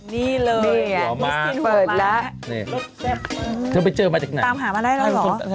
นี่เลยหัวมากลูกสกินเปิดแล้วนี่ลูกเจ็บเธอไปเจอมาจากไหนตามหามาได้แล้วเหรอ